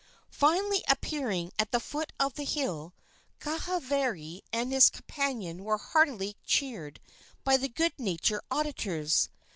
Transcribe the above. Finally appearing at the foot of the hill, Kahavari and his companion were heartily cheered by their good natured auditors.